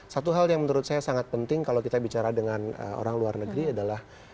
satu hal yang menurut saya sangat penting kalau kita bicara dengan orang luar negeri adalah